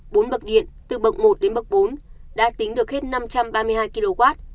bốn bậc điện từ bậc một đến bậc bốn đã tính được hết năm trăm ba mươi hai kw